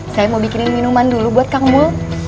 saya mau bikinin minuman dulu buat kang mul